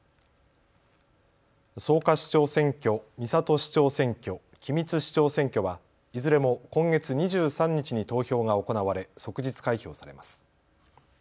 草加市長選挙、三郷市長選挙、君津市長選挙はいずれも今月２３日に投票が行われ即日開票されます。